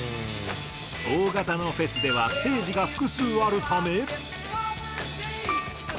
大型のフェスではステージが複数あるため。